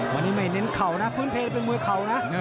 วันนี้ไม่เน้นเข่านะพื้นเพลเป็นมวยเข่านะ